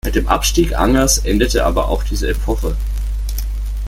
Mit dem Abstieg Angers' endete aber auch diese Epoche.